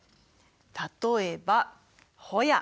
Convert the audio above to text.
例えばホヤ。